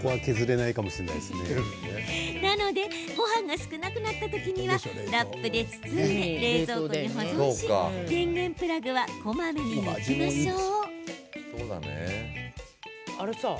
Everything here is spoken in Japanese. なのでごはんが少なくなった時にはラップで包んで冷蔵庫に保存し電源プラグはこまめに抜きましょう。